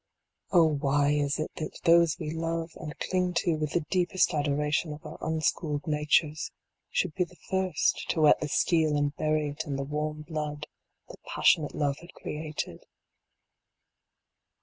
Oh why is it that those we love and cling to with the deepest adoration of our unschooled natures should be the first to whet the steel and bury it in the warm blood that passionate love had created